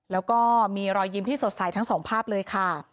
แล้วก็มีรอยยิ้มที่สดใสทั้งสองภาพเลยค่ะ